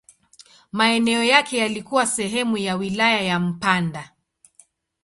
Maeneo yake yalikuwa sehemu ya wilaya ya Mpanda.